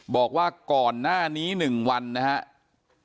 บอกว่าก่อนหน้านี้๑วันนะครับ